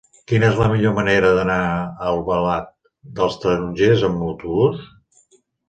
Quina és la millor manera d'anar a Albalat dels Tarongers amb autobús?